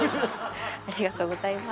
ありがとうございます。